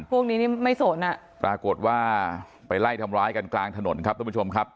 พวกนี้นี่ไม่สนอ่ะปรากฏว่าไปไล่ทำร้ายกันกลางถนนครับทุกผู้ชมครับ